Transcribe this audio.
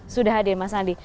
sudah hadir mas andi